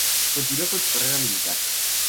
Continuó con su carrera militar.